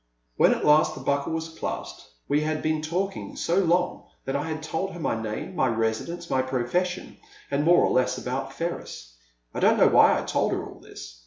When at last the buckle was clasped we had been talking so long that I had told her my name, my residence, my profession, and more or less about Ferris. I don't know why I told her all this.